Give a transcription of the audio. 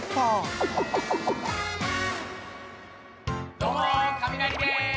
どうも、カミナリです。